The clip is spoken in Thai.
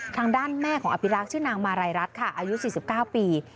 ทางด้านแม่ของอภิรักษ์ชื่อนางมาลัยรัฐค่ะอายุ๔๙ปี